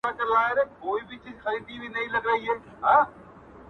o ستا د دواړو سترگو سمندر گلي.